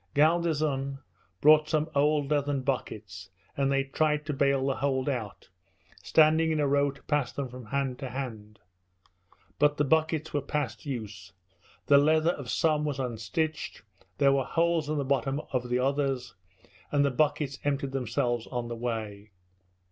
Galdeazun brought some old leathern buckets, and they tried to bale the hold out, standing in a row to pass them from hand to hand; but the buckets were past use, the leather of some was unstitched, there were holes in the bottoms of the others, and the buckets emptied themselves on the way.